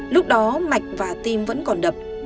lúc đó mạch và tim vẫn còn đập